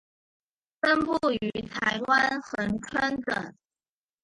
分布于台湾恒春等。